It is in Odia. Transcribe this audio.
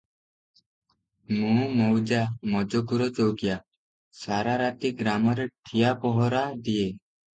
ମୁଁ ମୌଜା ମଜକୁର ଚୌକିଆ, ସାରାରାତି ଗ୍ରାମରେ ଠିଆ ପହରା ଦିଏ ।